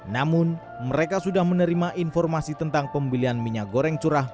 namun mereka sudah menerima informasi tentang pembelian minyak goreng curah